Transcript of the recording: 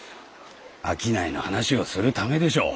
商いの話をするためでしょう。